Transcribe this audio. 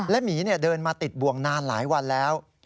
หมีเดินมาติดบ่วงนานหลายวันแล้ว